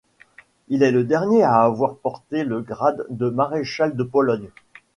Il est le dernier à avoir porté le grade de maréchal de Pologne.